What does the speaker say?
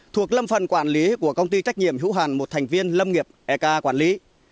thuộc lâm phần quản lý của công ty trách nhiệm hữu hạn một thành viên lâm nghiệp ek quản lý